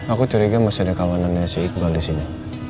aku curiga masih ada kawanan si iqbal disini